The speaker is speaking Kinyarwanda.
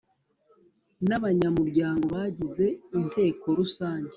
n abanyamuryango bagize Inteko Rusange